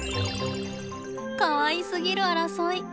かわいすぎる争い。